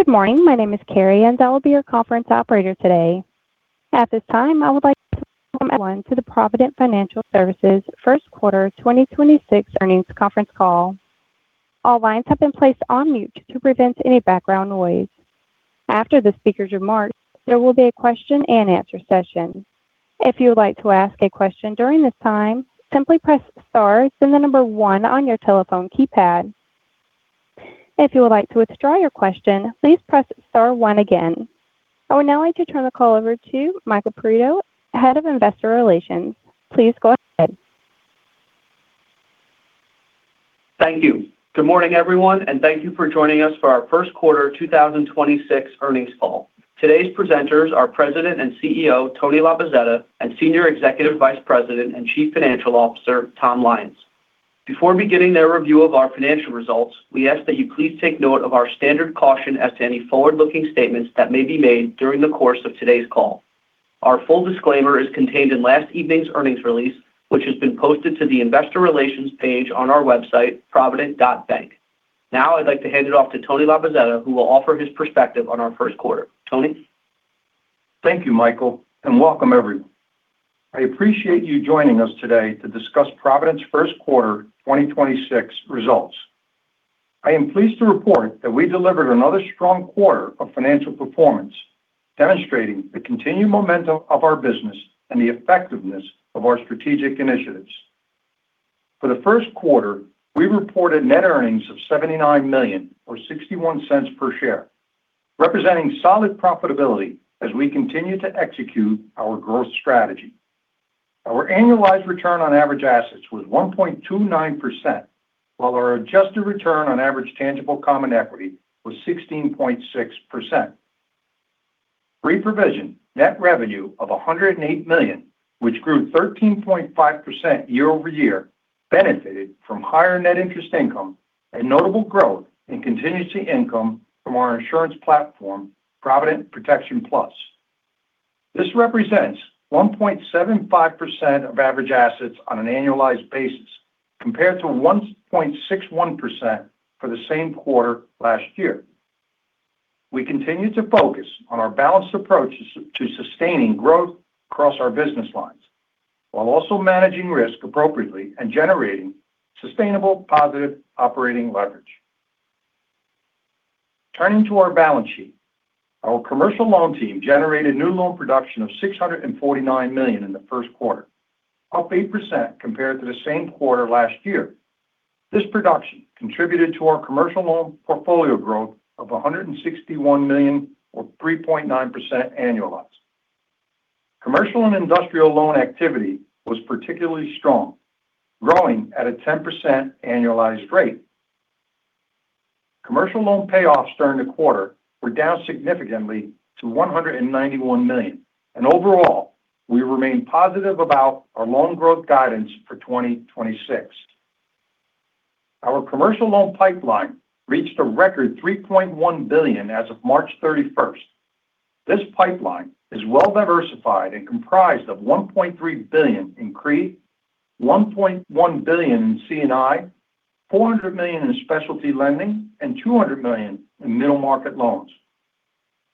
Good morning. My name is Carrie. I will be your conference operator today. At this time, I would like to welcome everyone to the Provident Financial Services first quarter 2026 earnings conference call. All lines have been placed on mute to prevent any background noise. After the speaker's remarks, there will be a question-and-answer session. If you would like to ask a question during this time, simply press star, then one on your telephone keypad. If you would like to withdraw your question, please press star one again. I would now like to turn the call over to Michael A. Perito, Head of Investor Relations. Please go ahead. Thank you. Good morning, everyone, thank you for joining us for our Q1 2026 earnings call. Today's presenters are President and CEO, Tony Labozzetta, and Senior Executive Vice President and Chief Financial Officer, Tom Lyons. Before beginning their review of our financial results, we ask that you please take note of our standard caution as to any forward-looking statements that may be made during the course of today's call. Our full disclaimer is contained in last evening's earnings release, which has been posted to the investor relations page on our website, provident.bank. Now, I'd like to hand it off to Tony Labozzetta, who will offer his perspective on our first quarter. Tony? Thank you, Michael, and welcome everyone. I appreciate you joining us today to discuss Provident's first quarter 2026 results. I am pleased to report that we delivered another strong quarter of financial performance, demonstrating the continued momentum of our business and the effectiveness of our strategic initiatives. For the first quarter, we reported net earnings of $79 million or 0.61 per share, representing solid profitability as we continue to execute our growth strategy. Our annualized return on average assets was 1.29%, while our adjusted return on average tangible common equity was 16.6%. Pre-provision net revenue of 108 million, which grew 13.5% year-over-year, benefited from higher net interest income and notable growth in contingency income from our insurance platform, Provident Protection Plus. This represents 1.75% of average assets on an annualized basis compared to 1.61% for the same quarter last year. We continue to focus on our balanced approach to sustaining growth across our business lines, while also managing risk appropriately and generating sustainable positive operating leverage. Turning to our balance sheet, our commercial loan team generated new loan production of 649 million in the Q1, up 8% compared to the same quarter last year. This production contributed to our commercial loan portfolio growth of 161 million or 3.9% annualized. Commercial and industrial loan activity was particularly strong, growing at a 10% annualized rate. Commercial loan payoffs during the quarter were down significantly to 191 million. Overall, we remain positive about our loan growth guidance for 2026. Our commercial loan pipeline reached a record 3.1 billion as of March 31st. This pipeline is well-diversified and comprised of 1.3 billion in CRE, 1.1 billion in C&I, 400 million in specialty lending, and 200 million in middle market loans.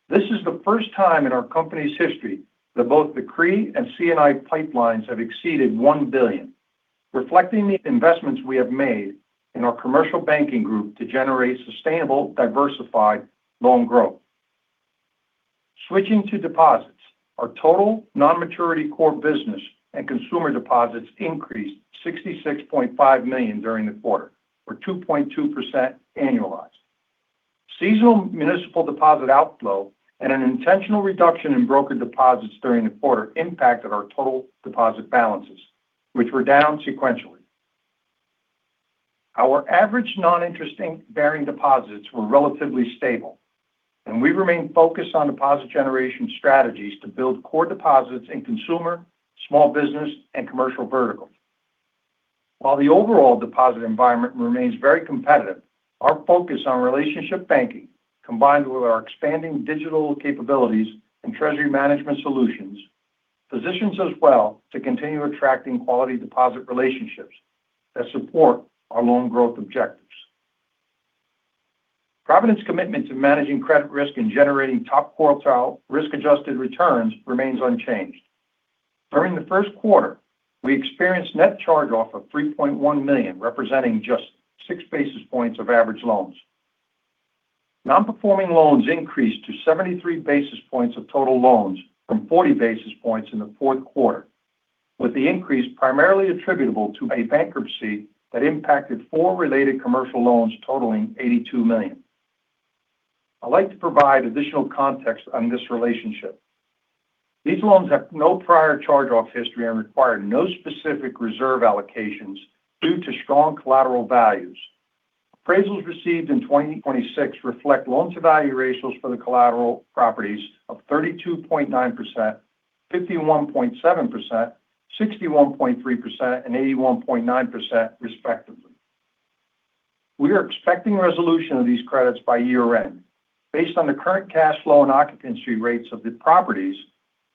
This is the first time in our company's history that both the CRE and C&I pipelines have exceeded 1 billion, reflecting the investments we have made in our commercial banking group to generate sustainable, diversified loan growth. Switching to deposits, our total non-maturity core business and consumer deposits increased 66.5 million during the quarter, or 2.2% annualized. Seasonal municipal deposit outflow and an intentional reduction in broker deposits during the quarter impacted our total deposit balances, which were down sequentially. Our average non-interest bearing deposits were relatively stable, and we remain focused on deposit generation strategies to build core deposits in consumer, small business, and commercial verticals. While the overall deposit environment remains very competitive, our focus on relationship banking, combined with our expanding digital capabilities and treasury management solutions, positions us well to continue attracting quality deposit relationships that support our loan growth objectives. Provident's commitment to managing credit risk and generating top quartile risk-adjusted returns remains unchanged. During the first quarter, we experienced net charge-off of 3.1 million, representing just six basis points of average loans. Non-performing loans increased to 73 basis points of total loans from 40 basis points in the Q4, with the increase primarily attributable to a bankruptcy that impacted four related commercial loans totaling 82 million. I'd like to provide additional context on this relationship. These loans have no prior charge-off history and required no specific reserve allocations due to strong collateral values. Appraisals received in 2026 reflect loan-to-value ratios for the collateral properties of 32.9%, 51.7%, 61.3%, and 81.9% respectively. We are expecting resolution of these credits by year-end. Based on the current cash flow and occupancy rates of the properties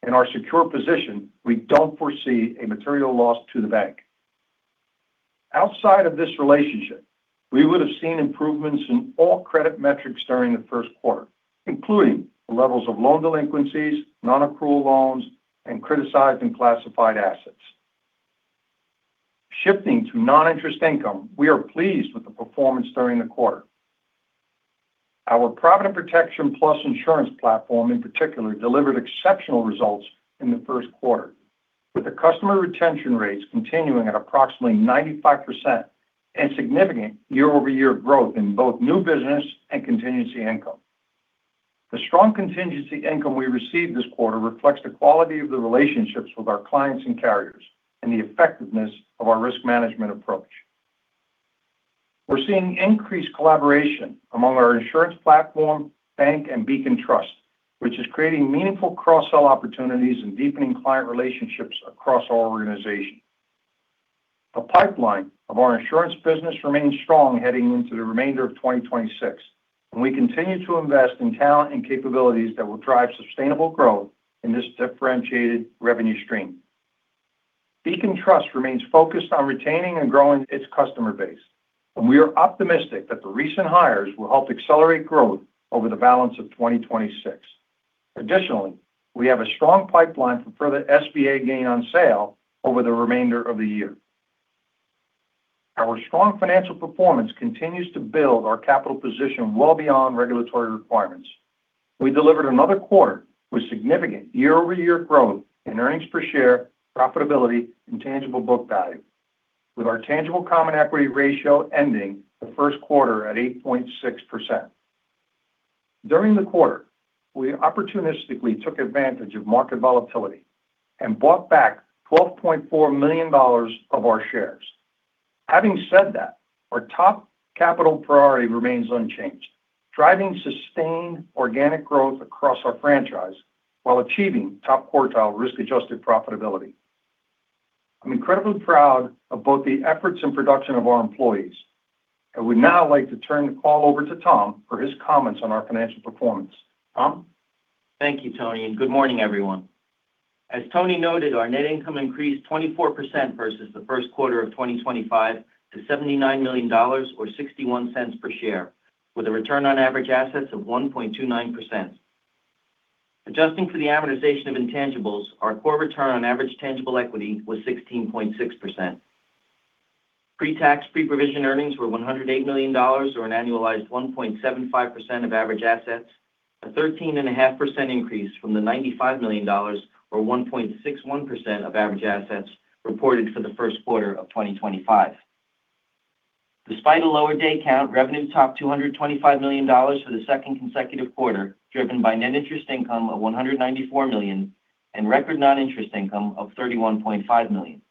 and our secure position, we don't foresee a material loss to the bank. Outside of this relationship, we would have seen improvements in all credit metrics during the first quarter, including the levels of loan delinquencies, non-accrual loans, and criticized and classified assets. Shifting to non-interest income, we are pleased with the performance during the quarter. Our Provident Protection Plus insurance platform in particular delivered exceptional results in the first quarter, with the customer retention rates continuing at approximately 95% and significant year-over-year growth in both new business and contingency income. The strong contingency income we received this quarter reflects the quality of the relationships with our clients and carriers and the effectiveness of our risk management approach. We're seeing increased collaboration among our insurance platform, bank, and Beacon Trust, which is creating meaningful cross-sell opportunities and deepening client relationships across our organization. The pipeline of our insurance business remains strong heading into the remainder of 2026, and we continue to invest in talent and capabilities that will drive sustainable growth in this differentiated revenue stream. Beacon Trust remains focused on retaining and growing its customer base, and we are optimistic that the recent hires will help accelerate growth over the balance of 2026. Additionally, we have a strong pipeline for further SBA gain on sale over the remainder of the year. Our strong financial performance continues to build our capital position well beyond regulatory requirements. We delivered another quarter with significant year-over-year growth in earnings per share, profitability, and tangible book value, with our tangible common equity ratio ending the first quarter at 8.6%. During the quarter, we opportunistically took advantage of market volatility and bought back $12.4 million of our shares. Having said that, our top capital priority remains unchanged, driving sustained organic growth across our franchise while achieving top quartile risk-adjusted profitability. I'm incredibly proud of both the efforts and production of our employees. I would now like to turn the call over to Tom for his comments on our financial performance. Tom? Thank you, Tony, and good morning, everyone. As Tony noted, our net income increased 24% versus the first quarter of 2025 to $79 million or 0.61 per share, with a return on average assets of 1.29%. Adjusting for the amortization of intangibles, our core return on average tangible equity was 16.6%. Pre-tax, pre-provision earnings were $108 million or an annualized 1.75% of average assets, a 13.5% increase from the $95 million or 1.61% of average assets reported for the Q1 of 2025. Despite a lower day count, revenue topped $225 million for the second consecutive quarter, driven by net interest income of $194 million and record non-interest income of $31.5 million.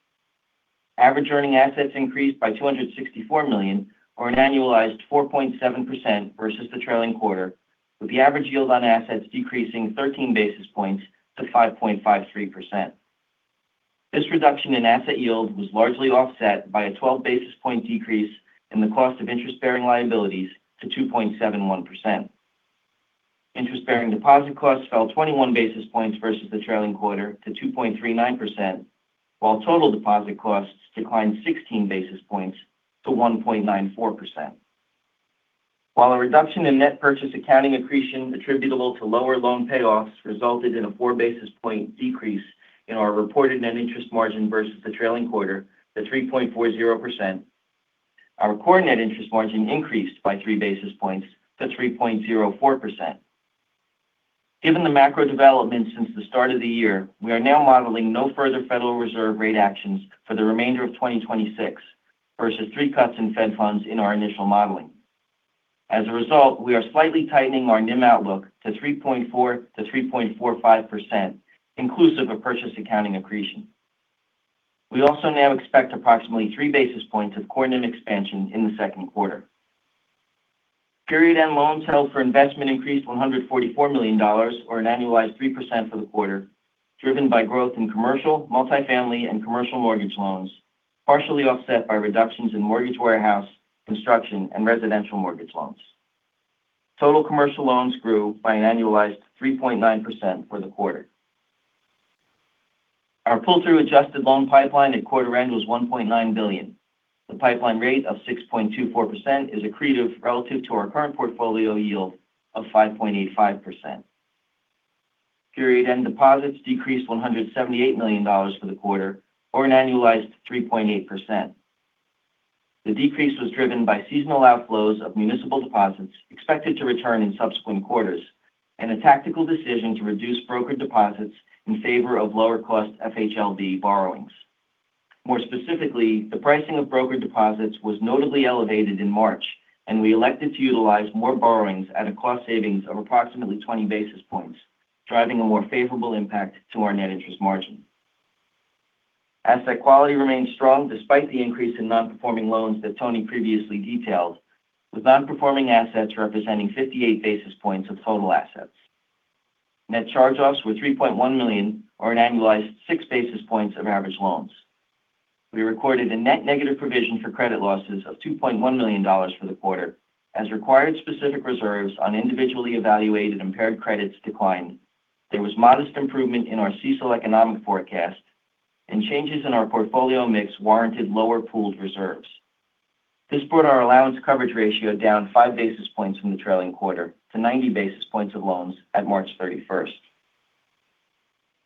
Average earning assets increased by 264 million or an annualized 4.7% versus the trailing quarter, with the average yield on assets decreasing 13 basis points to 5.53%. This reduction in asset yield was largely offset by a 12 basis point decrease in the cost of interest-bearing liabilities to 2.71%. Interest-bearing deposit costs fell 21 basis points versus the trailing quarter to 2.39%, while total deposit costs declined 16 basis points to 1.94%. While a reduction in net purchase accounting accretion attributable to lower loan payoffs resulted in a four basis point decrease in our reported net interest margin versus the trailing quarter to 3.40%, our core net interest margin increased by three basis points to 3.04%. Given the macro developments since the start of the year, we are now modeling no further Federal Reserve rate actions for the remainder of 2026 versus three cuts in Fed funds in our initial modeling. As a result, we are slightly tightening our NIM outlook to 3.4%-3.45% inclusive of purchase accounting accretion. We also now expect approximately three basis points of core NIM expansion in the second quarter. Period-end loans held for investment increased $144 million or an annualized 3% for the quarter, driven by growth in commercial, multifamily, and commercial mortgage loans, partially offset by reductions in mortgage warehouse, construction, and residential mortgage loans. Total commercial loans grew by an annualized 3.9% for the quarter. Our pull-through adjusted loan pipeline at quarter end was $1.9 billion. The pipeline rate of 6.24% is accretive relative to our current portfolio yield of 5.85%. Period-end deposits decreased $178 million for the quarter or an annualized 3.8%. The decrease was driven by seasonal outflows of municipal deposits expected to return in subsequent quarters and a tactical decision to reduce broker deposits in favor of lower-cost FHLB borrowings. More specifically, the pricing of broker deposits was notably elevated in March, and we elected to utilize more borrowings at a cost savings of approximately 20 basis points, driving a more favorable impact to our net interest margin. Asset quality remains strong despite the increase in non-performing loans that Tony previously detailed, with non-performing assets representing 58 basis points of total assets. Net charge-offs were 3.1 million or an annualized six basis points of average loans. We recorded a net negative provision for credit losses of $2.1 million for the quarter as required specific reserves on individually evaluated impaired credits declined. There was modest improvement in our CECL economic forecast and changes in our portfolio mix warranted lower pooled reserves. This brought our allowance coverage ratio down five basis points from the trailing quarter to 90 basis points of loans at March 31st.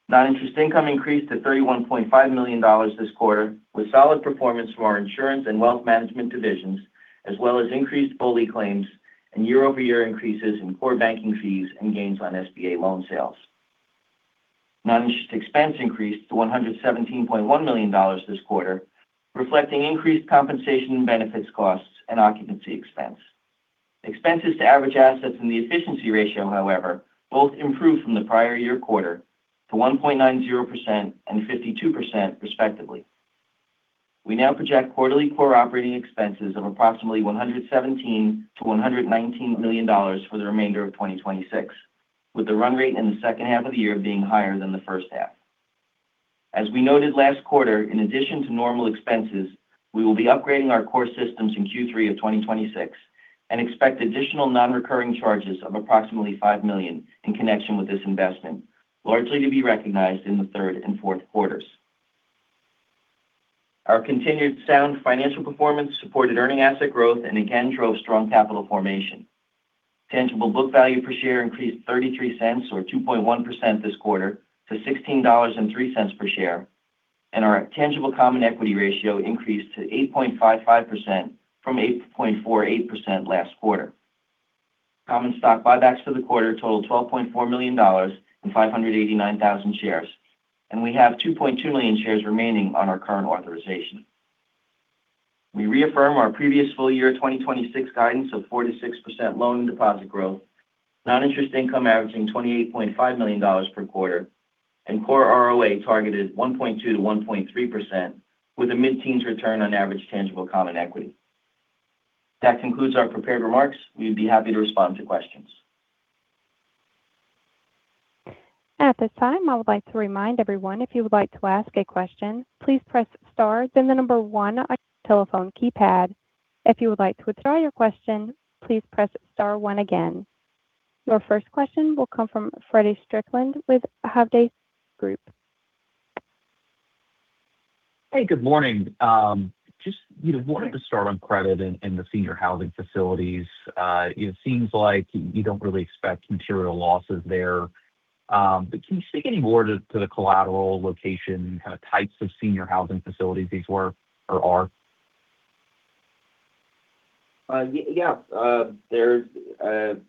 Non-interest income increased to $31.5 million this quarter, with solid performance from our insurance and wealth management divisions, as well as increased BOLI claims and year-over-year increases in core banking fees and gains on SBA loan sales. Non-interest expense increased to 117.1 million this quarter, reflecting increased compensation and benefits costs and occupancy expense. Expenses to average assets and the efficiency ratio, however, both improved from the prior year quarter to 1.90% and 52% respectively. We now project quarterly core operating expenses of approximately $117 million-$119 million for the remainder of 2026, with the run rate in the second half of the year being higher than the first half. As we noted last quarter, in addition to normal expenses, we will be upgrading our core systems in Q3 of 2026 and expect additional non-recurring charges of approximately $5 million in connection with this investment, largely to be recognized in the third and fourth quarters. Our continued sound financial performance supported earning asset growth and again drove strong capital formation. Tangible book value per share increased $0.33 or 2.1% this quarter to $16.03 per share, and our tangible common equity ratio increased to 8.55% from 8.48% last quarter. Common stock buybacks for the quarter totaled $12.4 million and 589,000 shares, and we have 2.2 million shares remaining on our current authorization. We reaffirm our previous full year 2026 guidance of 4%-6% loan deposit growth, non-interest income averaging $28.5 million per quarter, and core ROA targeted 1.2%-1.3% with a mid-teens return on average tangible common equity. That concludes our prepared remarks. We'd be happy to respond to questions. At this time, I would like to remind everyone if you would like to ask a question, please press star then the number one on your telephone keypad. If you would like to withdraw your question, please press star one again. Your first question will come from Freddie Strickland with Hovde Group. Hey, good morning. Just, you know, wanted to start on credit and the senior housing facilities. It seems like you don't really expect material losses there. Can you speak any more to the collateral location, kind of types of senior housing facilities these were or are? They're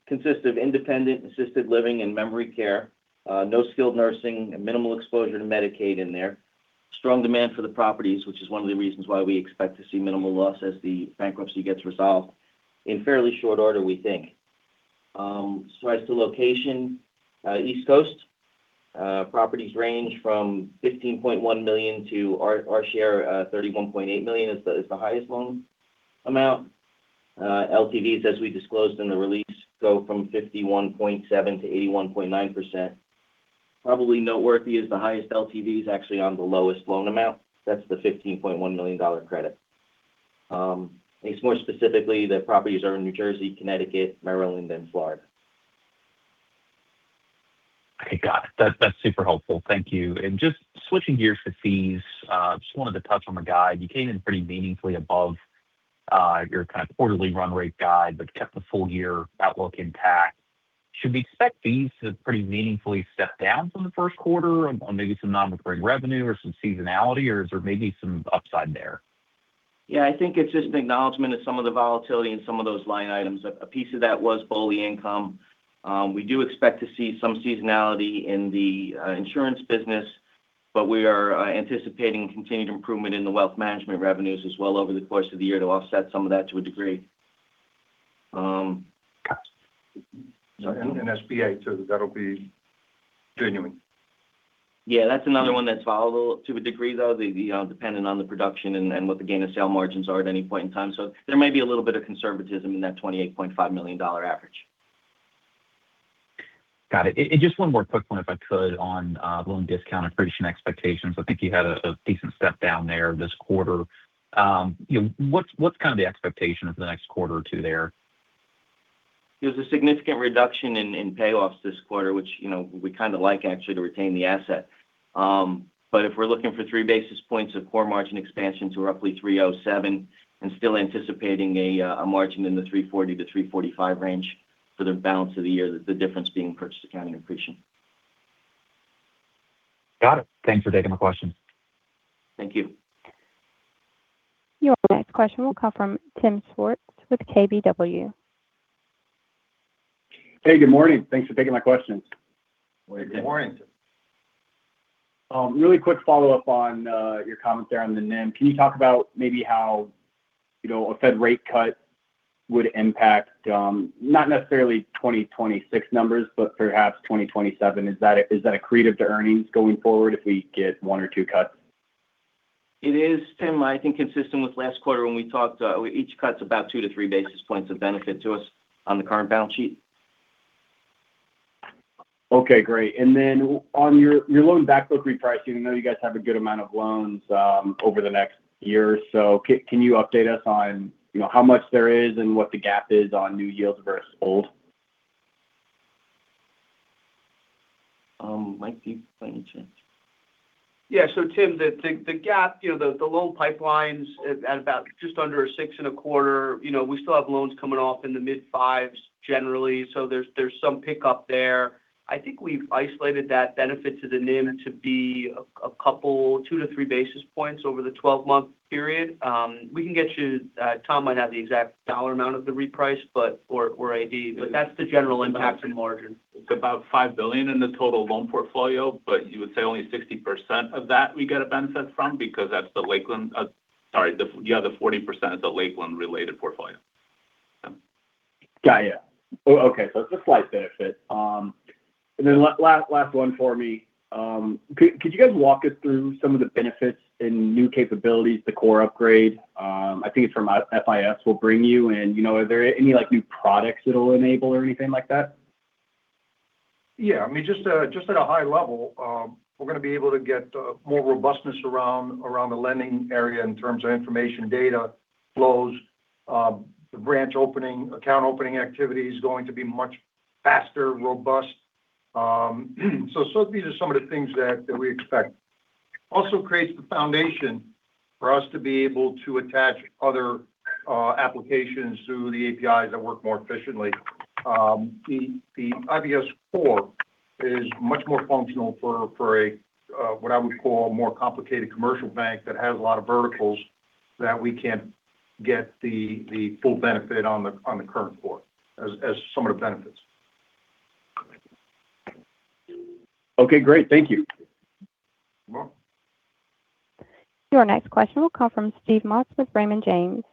consist of independent assisted living and memory care. No skilled nursing, minimal exposure to Medicaid in there. Strong demand for the properties, which is one of the reasons why we expect to see minimal loss as the bankruptcy gets resolved in fairly short order, we think. As far as the location, East Coast, properties range from 15.1 million to our share, 31.8 million is the, is the highest loan amount. LTVs, as we disclosed in the release, go from 51.7%-81.9%. Probably noteworthy is the highest LTV is actually on the lowest loan amount. That's the 15.1 million dollar credit. I think more specifically, the properties are in New Jersey, Connecticut, Maryland, and Florida. Okay. Got it. That's super helpful. Thank you. Just switching gears to fees, just wanted to touch on the guide. You came in pretty meaningfully above your kind of quarterly run rate guide, but kept the full year outlook intact. Should we expect fees to pretty meaningfully step down from the first quarter on maybe some non-recurring revenue or some seasonality, or is there maybe some upside there? Yeah, I think it's just an acknowledgement of some of the volatility in some of those line items. A piece of that was BOLI income. We do expect to see some seasonality in the insurance business, but we are anticipating continued improvement in the wealth management revenues as well over the course of the year to offset some of that to a degree. Got it. So- SBA too. That'll be genuine. Yeah. That's another one that's followable to a degree, though, the, you know, dependent on the production and what the gain of sale margins are at any point in time. There may be a little bit of conservatism in that $28.5 million average. Got it. Just one more quick one if I could on loan discount accretion expectations, I think you had a decent step down there this quarter. You know, what's kind of the expectation of the next quarter or two there? There's a significant reduction in payoffs this quarter, which, you know, we kind of like actually to retain the asset. If we're looking for three basis points of core margin expansion to roughly 3.07% and still anticipating a margin in the 3.40%-3.45% range for the balance of the year, the difference being purchase accounting accretion. Got it. Thanks for taking my question. Thank you. Your next question will come from Tim Switzer with KBW. Hey, good morning. Thanks for taking my questions. Good morning. Really quick follow-up on your comment there on the NIM. Can you talk about maybe how, you know, a Fed rate cut would impact, not necessarily 2026 numbers, but perhaps 2027? Is that a, is that accretive to earnings going forward if we get one or two cuts? It is, Tim. I think consistent with last quarter when we talked, each cut's about two-three basis points of benefit to us on the current balance sheet. Okay, great. On your loan backlog repricing, I know you guys have a good amount of loans over the next year or so. Can you update us on, you know, how much there is and what the gap is on new yields versus old? Mike, do you have any change? Yeah. Tim, the gap, you know, the loan pipelines at about just under a six and a quarter. You know, we still have loans coming off in the mid-5s generally. There's some pickup there. I think we've isolated that benefit to the NIM to be a couple, two-three basis points over the 12-month period. We can get you, Tom might have the exact dollar amount of the reprice. That's the general impact to the margin. It's about 5 billion in the total loan portfolio. You would say only 60% of that we get a benefit from because the 40% is the Lakeland-related portfolio. Got it. Okay. It's a slight benefit. Last one for me. Could you guys walk us through some of the benefits and new capabilities the core upgrade, I think it's from FIS, will bring you? You know, are there any, like, new products it'll enable or anything like that? Yeah. I mean, just at a high level, we're going to be able to get more robustness around the lending area in terms of information data flows. The branch opening, account opening activity is going to be much faster, robust. These are some of the things that we expect. Also creates the foundation for us to be able to attach other applications through the API that work more efficiently. The IBS is much more functional for a what I would call a more complicated commercial bank that has a lot of verticals that we can't get the full benefit on the current floor as some of the benefits. Okay, great. Thank you. You're welcome. Your next question will come from Steve Moss with Raymond James.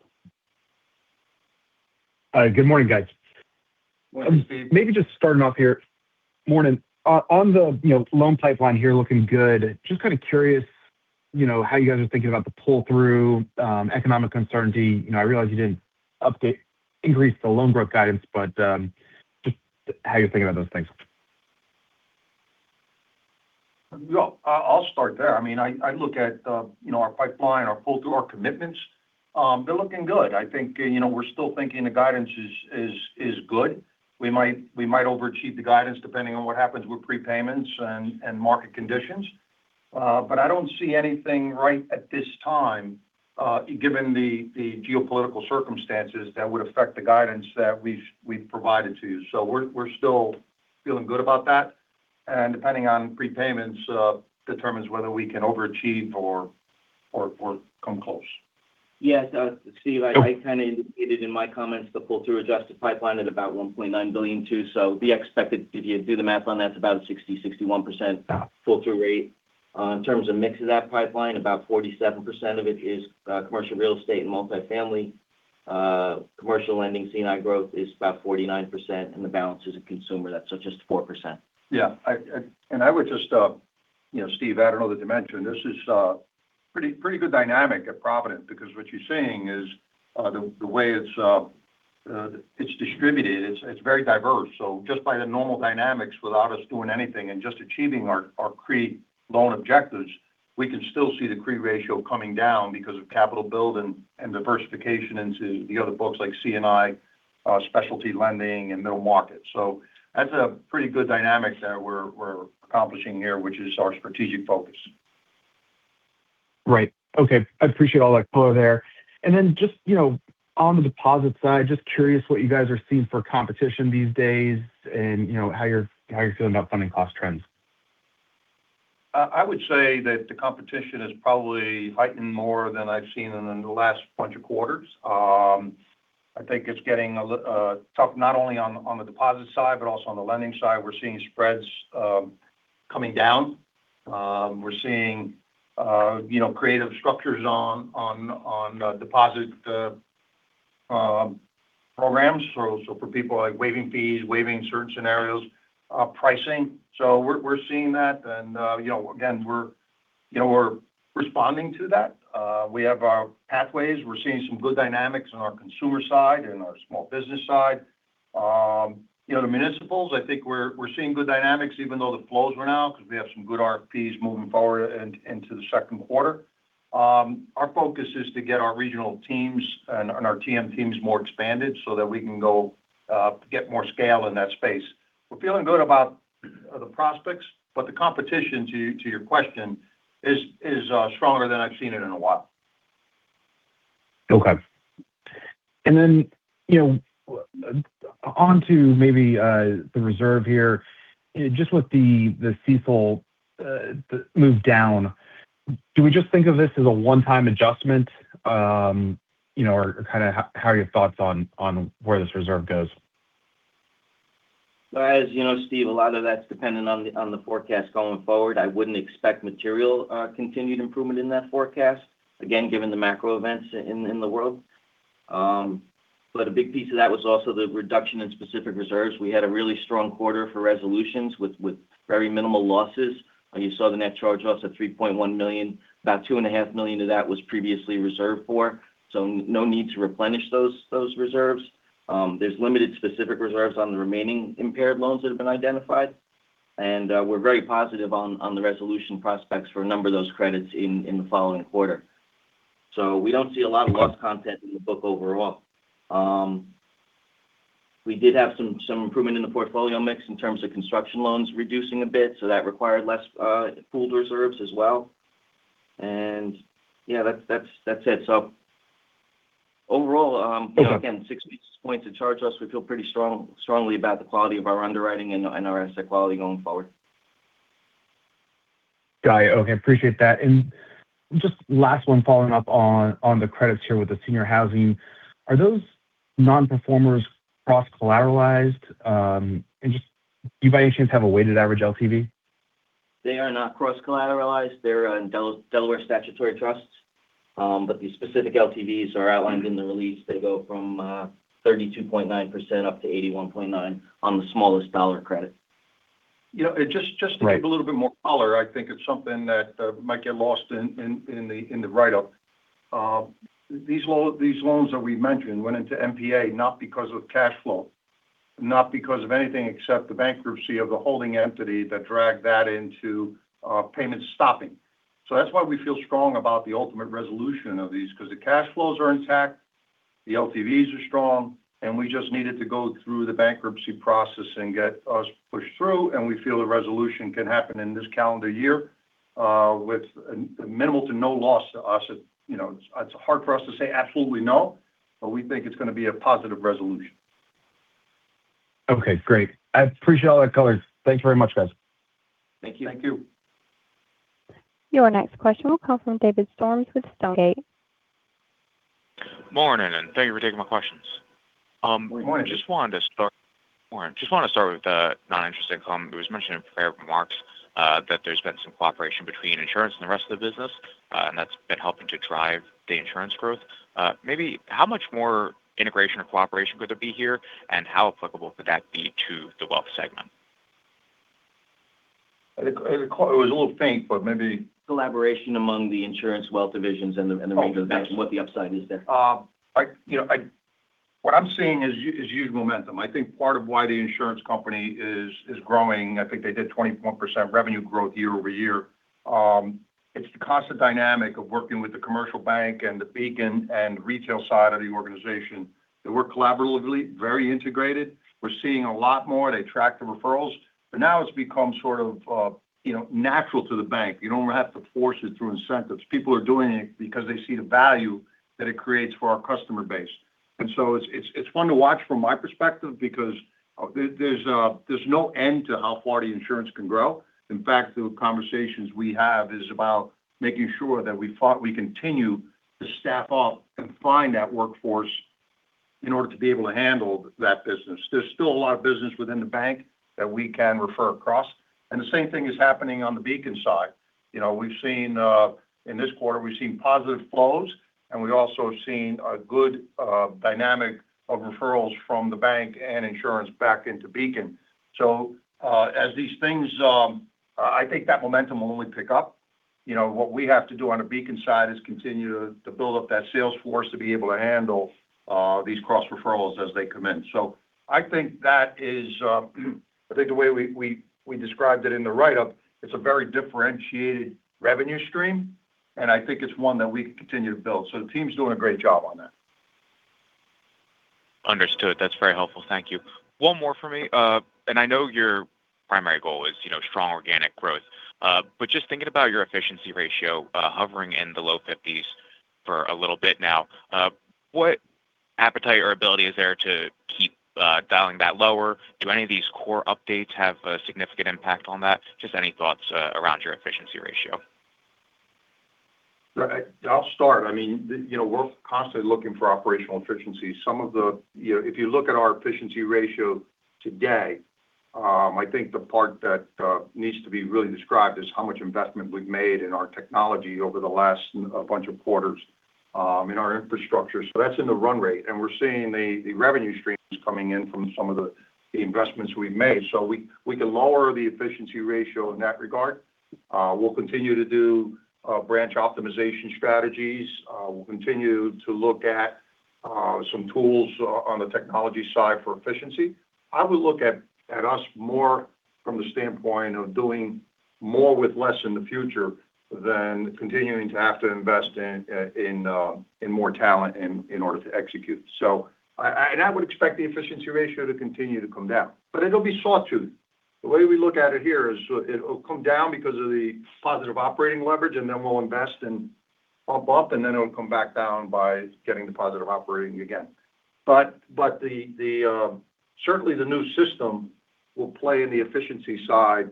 Good morning, guys. Morning, Steve. Maybe just starting off here. Morning. On the, you know, loan pipeline here looking good, just kind of curious, you know, how you guys are thinking about the pull through, economic uncertainty? You know, I realize you didn't increase the loan book guidance, but, just how you're thinking about those things? Well, I'll start there. I mean, I look at, you know, our pipeline, our pull through, our commitments. They're looking good. I think, you know, we're still thinking the guidance is good. We might overachieve the guidance depending on what happens with prepayments and market conditions. I don't see anything right at this time, given the geopolitical circumstances that would affect the guidance that we've provided to you. We're still feeling good about that. Depending on prepayments, determines whether we can overachieve or come close. Yes. Steve, I kind of indicated in my comments the pull-through adjusted pipeline at about 1.9 billion too. We expect that if you do the math on that, it's about a 60%-61% pull-through rate. In terms of mix of that pipeline, about 47% of it is commercial real estate and multifamily. Commercial lending C&I growth is about 49%, the balance is in consumer. That's just 4%. I would just, you know, Steve, add another dimension. This is a pretty good dynamic at Provident because what you're seeing is, the way it's distributed, it's very diverse. Just by the normal dynamics, without us doing anything and just achieving our CRE loan objectives, we can still see the CRE ratio coming down because of capital build and diversification into the other books like C&I, specialty lending and middle market. That's a pretty good dynamic that we're accomplishing here, which is our strategic focus. Right. Okay. I appreciate all that color there. Just, you know, on the deposit side, just curious what you guys are seeing for competition these days and, you know, how you're feeling about funding cost trends. I would say that the competition is probably heightened more than I've seen in the last bunch of quarters. I think it's getting tough not only on the deposit side, but also on the lending side. We're seeing spreads coming down. We're seeing, you know, creative structures on deposit programs. For people like waiving fees, waiving certain scenarios, pricing. We're seeing that. You know, again, we're responding to that. We have our pathways. We're seeing some good dynamics on our consumer side and our small business side. You know, the municipals, I think we're seeing good dynamics even though the flows were now because we have some good RFP moving forward into the second quarter. Our focus is to get our regional teams and our TM teams more expanded so that we can go get more scale in that space. We're feeling good about the prospects, but the competition to your question is stronger than I've seen it in a while. Okay. You know, on to maybe the reserve here, just with the CECL move down, do we just think of this as a one-time adjustment, you know, or kind of how are your thoughts on where this reserve goes? As you know, Steve Moss, a lot of that's dependent on the forecast going forward. I wouldn't expect material continued improvement in that forecast, again, given the macro events in the world. A big piece of that was also the reduction in specific reserves. We had a really strong quarter for resolutions with very minimal losses. You saw the net charge-offs at $3.1 million. About $2.5 million of that was previously reserved for, no need to replenish those reserves. There's limited specific reserves on the remaining impaired loans that have been identified. We're very positive on the resolution prospects for a number of those credits in the following quarter. We don't see a lot of loss content in the book overall. We did have some improvement in the portfolio mix in terms of construction loans reducing a bit, so that required less pooled reserves as well. Yeah, that's it. Overall, you know, again, 60 basis points to charge us, we feel pretty strongly about the quality of our underwriting and our asset quality going forward. Got you. Okay. Appreciate that. Just last one following up on the credits here with the senior housing. Are those non-performers cross-collateralized? Just, do you by any chance have a weighted average LTV? They are not cross-collateralized. They're on Delaware Statutory Trust. The specific LTVs are outlined in the release. They go from 32.9% up to 81.9% on the smallest dollar credit. You know, just. Right... a little bit more color, I think it's something that might get lost in, in the, in the write-up. These loans that we mentioned went into NPA not because of cash flow, not because of anything except the bankruptcy of the holding entity that dragged that into payments stopping. That's why we feel strong about the ultimate resolution of these, because the cash flows are intact, the LTVs are strong, and we just need it to go through the bankruptcy process and get us pushed through, and we feel the resolution can happen in this calendar year with minimal to no loss to us. You know, it's hard for us to say absolutely no, but we think it's going to be a positive resolution. Okay, great. I appreciate all that color. Thank you very much, guys. Thank you. Thank you. Your next question will come from David Storms with Stonegate Capital Partners. Morning, thank you for taking my questions. Morning. Morning. Just want to start with the net interest income. It was mentioned in prepared remarks that there's been some cooperation between insurance and the rest of the business, and that's been helping to drive the insurance growth. Maybe how much more integration or cooperation could there be here, and how applicable could that be to the wealth segment? I did. It was a little faint. Collaboration among the insurance wealth divisions and the retail division- Oh, got you. what the upside is there. I, you know, what I'm seeing is huge momentum. I think part of why the insurance company is growing, I think they did 21% revenue growth year-over-year, it's the constant dynamic of working with the commercial bank and the Beacon and retail side of the organization. They work collaboratively, very integrated. We're seeing a lot more. They track the referrals. Now it's become sort of, you know, natural to the bank. You don't have to force it through incentives. People are doing it because they see the value that it creates for our customer base. It's fun to watch from my perspective because there's no end to how far the insurance can grow. In fact, the conversations we have is about making sure that we continue to staff up and find that workforce in order to be able to handle that business. There's still a lot of business within the Bank that we can refer across, and the same thing is happening on the Beacon side. You know, we've seen in this quarter, we've seen positive flows, and we've also seen a good dynamic of referrals from the Bank and insurance back into Beacon. As these things, I think that momentum will only pick up. You know, what we have to do on the Beacon side is continue to build up that sales force to be able to handle these cross-referrals as they come in. I think that is, I think the way we described it in the write-up, it's a very differentiated revenue stream, and I think it's one that we can continue to build. The team's doing a great job on that. Understood. That's very helpful. Thank you. One more from me. I know your primary goal is, you know, strong organic growth, just thinking about your efficiency ratio, hovering in the low 50s for a little bit now, what appetite or ability is there to keep dialing that lower? Do any of these core updates have a significant impact on that? Just any thoughts around your efficiency ratio? I'll start. I mean, you know, we're constantly looking for operational efficiency. You know, if you look at our efficiency ratio today, I think the part that needs to be really described is how much investment we've made in our technology over the last bunch of quarters in our infrastructure. That's in the run rate. We're seeing the revenue streams coming in from some of the investments we've made. We can lower the efficiency ratio in that regard. We'll continue to do branch optimization strategies. We'll continue to look at some tools on the technology side for efficiency. I would look at us more from the standpoint of doing more with less in the future than continuing to have to invest in more talent in order to execute. I would expect the efficiency ratio to continue to come down. It'll be sawtooth. The way we look at it here is it'll come down because of the positive operating leverage, and then we'll invest and bump up, and then it'll come back down by getting the positive operating again. The certainly the new system will play in the efficiency side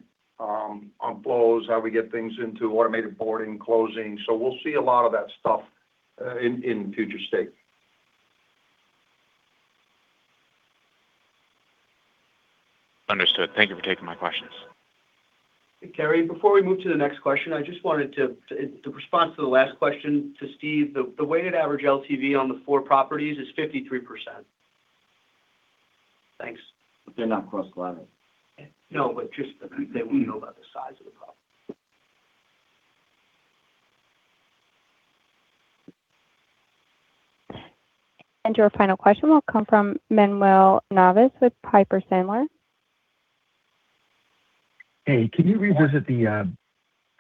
on flows, how we get things into automated boarding, closing. We'll see a lot of that stuff in future state. Understood. Thank you for taking my questions. Kerry, before we move to the next question, The response to the last question to Steve, the weighted average LTV on the four properties is 53%. Thanks. They're not cross-collateralized. No, just so that we know about the size of the property. Your final question will come from Manuel Navas with Piper Sandler. Good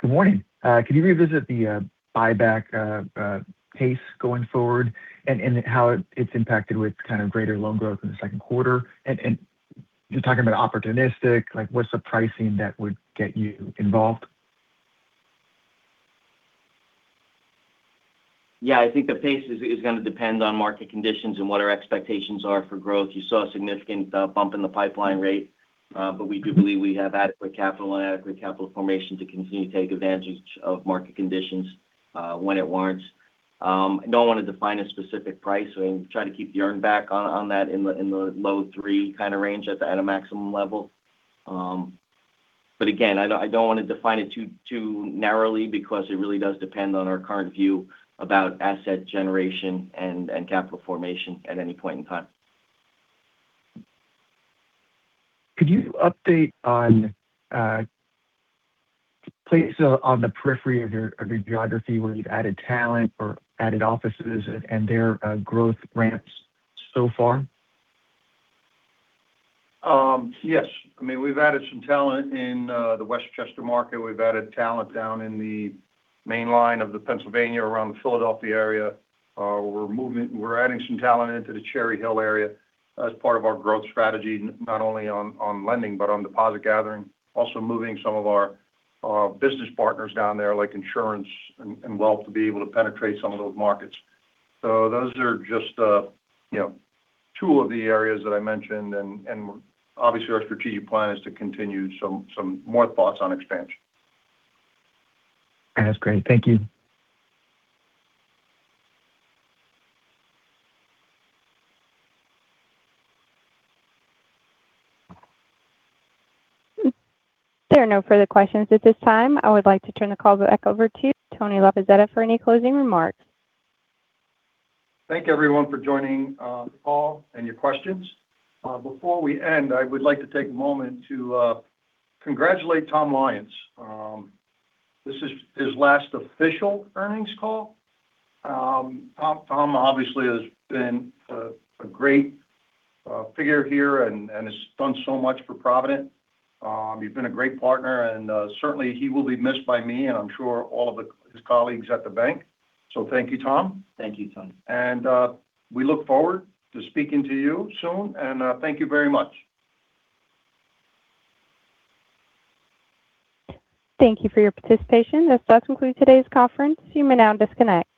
morning. Can you revisit the buyback pace going forward and how it's impacted with kind of greater loan growth in the second quarter? You're talking about opportunistic, like what's the pricing that would get you involved? I think the pace is gonna depend on market conditions and what our expectations are for growth. You saw a significant bump in the pipeline rate. We do believe we have adequate capital and adequate capital formation to continue to take advantage of market conditions when it warrants. I don't want to define a specific price. We try to keep the earn back on that in the low three kind of range at a maximum level. Again, I don't want to define it too narrowly because it really does depend on our current view about asset generation and capital formation at any point in time. Could you update on places on the periphery of your geography where you've added talent or added offices and their growth ramps so far? Yes. I mean, we've added some talent in the Westchester market. We've added talent down in the Main Line of Pennsylvania around the Philadelphia area. We're adding some talent into the Cherry Hill area as part of our growth strategy, not only on lending, but on deposit gathering. Also moving some of our business partners down there, like insurance and wealth, to be able to penetrate some of those markets. Those are just, you know, two of the areas that I mentioned. Obviously our strategic plan is to continue some more thoughts on expansion. That's great. Thank you. There are no further questions at this time. I would like to turn the call back over to Tony Labozzetta for any closing remarks. Thank you everyone for joining the call and your questions. Before we end, I would like to take a moment to congratulate Tom Lyons. This is his last official earnings call. Tom obviously has been a great figure here and has done so much for Provident. You've been a great partner, and certainly he will be missed by me and I'm sure all of his colleagues at the bank. Thank you, Tom. Thank you, Tony. We look forward to speaking to you soon, and thank you very much. Thank you for your participation. This does conclude today's conference. You may now disconnect.